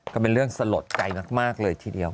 ก็เป็นเรื่องสลดใจมากเลยทีเดียว